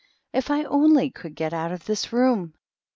If I only could get out of this room!"